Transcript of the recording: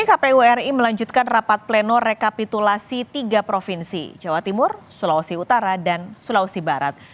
kpu menargetkan rekapitulasi selesai lebih cepat dari tenggat waktu tanggal dua puluh maret dua ribu dua puluh empat